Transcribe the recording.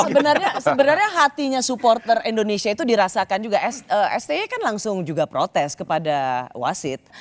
sebenarnya hatinya supporter indonesia itu dirasakan juga sti kan langsung juga protes kepada wasit